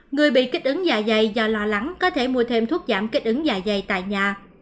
người bị kích ứng dạ dày do lo lắng có thể mua thêm thuốc giảm kích ứng dạ dày tại nhà